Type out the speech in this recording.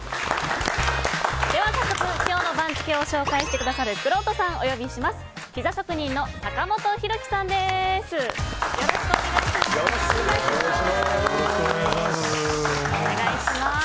では早速、今日の番付を紹介してくださるくろうとさんをお呼びします。